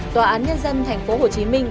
tòa án nhân dân thành phố hồ chí minh